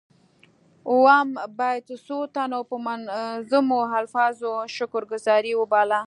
اووم بیت څو تنو په منظومو الفاظو شکر ګذاري وباله.